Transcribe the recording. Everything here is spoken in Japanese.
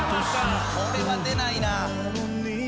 これは出ないな。